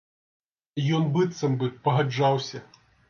Ён быццам бы пагаджаўся.